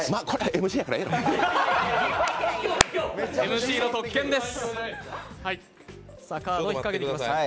ＭＣの特権です。